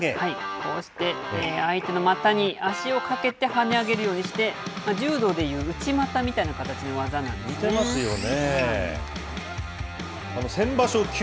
こうして相手の股に足を掛けて、はね上げるようにして、柔道で言う内股みたいな形の技なんですよね。